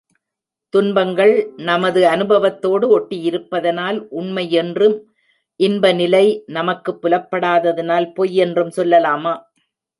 துன்பங்கள் நமது அநுபவத்தோடு ஒட்டியிருப்பதனால் உண்மையென்றும், இன்ப நிலை நமக்குப் புலப்படாததனால் பொய்யென்றும் சொல்லலாமா?